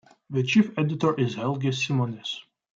The chief editor is Helge Simonnes.